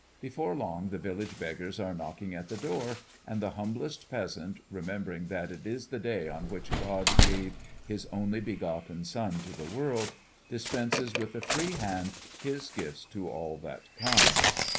Before long the village beggars are knocking at the door, and the humblest peasant, remembering that it is the day on which God gave his only begotten Son to the world, dispenses with a free hand his gifts to all that come.